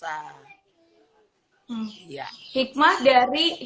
yaa hikmahnya kita bisa merasakan kerinduan yang luar biasa